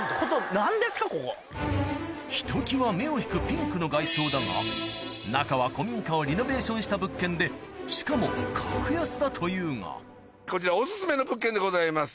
ひときわ目を引くピンクの外装だが中は古民家をリノベーションした物件でしかも格安だというがこちらオススメの物件でございます。